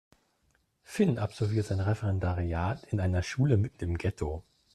Finn absolviert sein Referendariat an einer Schule mitten im Ghetto.